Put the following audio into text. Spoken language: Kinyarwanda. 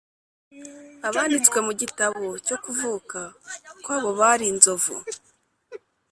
Abanditswe mu gitabo cyo kuvuka kwabo bari inzovu